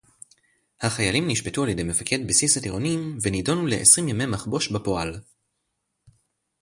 החיילים נשפטו על-ידי מפקד בסיס הטירונים ונידונו לעשרים ימי מחבוש בפועל